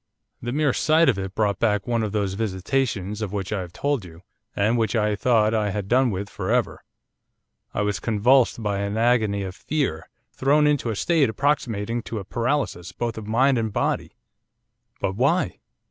The mere sight of it brought back one of those visitations of which I have told you, and which I thought I had done with for ever, I was convulsed by an agony of fear, thrown into a state approximating to a paralysis both of mind and body.' 'But why?